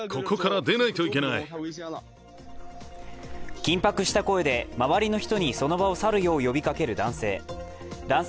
緊迫した声で周りの人にその場を去るよう呼びかける男性。